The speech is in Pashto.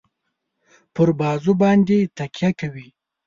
پر بازو باندي تکیه کوي.